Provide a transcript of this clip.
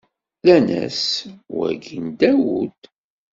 Rran-as: Wagi n Dawed.